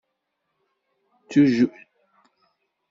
Ur d-twejjdem ara.